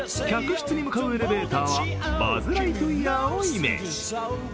客室に向かうエレベーターはバズ・ライトイヤーをイメージ。